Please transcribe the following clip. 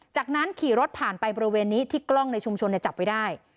จากนั้นขี่รถผ่านไปบริเวณนี้ที่กล้องในชุมชนจับไว้ได้